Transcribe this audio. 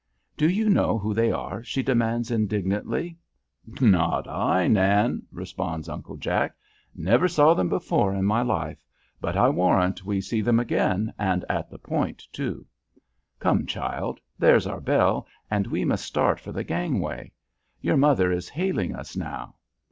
"Do you know who they are?" she demands, indignantly. "Not I, Nan," responds Uncle Jack. "Never saw them before in my life, but I warrant we see them again, and at the Point, too. Come, child. There's our bell, and we must start for the gangway. Your mother is hailing us now.